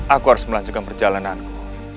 aku harus melanjutkan perjalananku